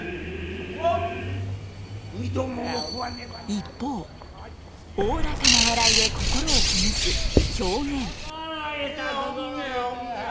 一方おおらかな笑いで心をほぐす「狂言」。